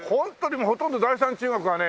ほとんど第三中学はね